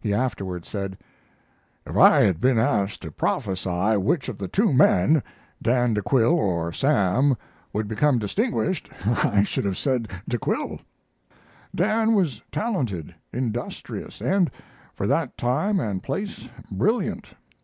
He afterward said: "If I had been asked to prophesy which of the two men, Dan de Quille or Sam, would become distinguished, I should have said De Quille. Dan was talented, industrious, and, for that time and place, brilliant.